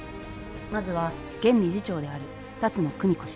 まずは現理事長である龍野久美子氏